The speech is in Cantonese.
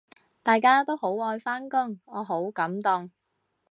大家都好愛返工，我好感動